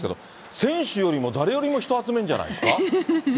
選手よりも誰よりも、人集めるんじゃないですか？